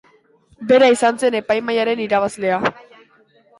Bera izan zen epaimahaiaren irabazlea.